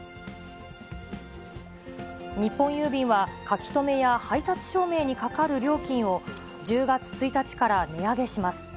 日本郵便は、書留や配達証明にかかる料金を、１０月１日から値上げします。